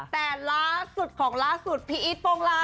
แต่ล่าสุดของล่าสุดพี่อีทโปรงลา